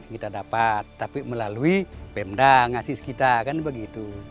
kita dapat tapi melalui pemda ngasih sekitar kan begitu